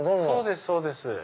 そうですそうです。